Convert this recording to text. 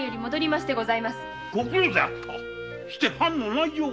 して藩の内情は？